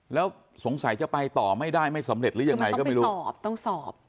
แล้วสงสัยจะไปต่อไม่ได้ไม่สำเร็จหรือยังไงก็ไม่รู้สอบต้องสอบ